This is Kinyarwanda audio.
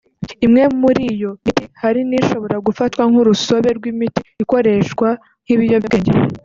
Imwe muri iyo miti hari n’ishobora gufatwa nk’urusobe rw’imiti ikoreshwa nk’ibiyobyabwenge